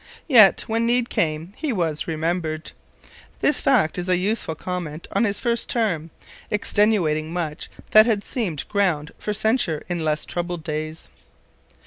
Yet when need came he was remembered. This fact is a useful comment on his first term, extenuating much that had seemed ground for censure in less troubled days.